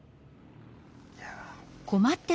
いや。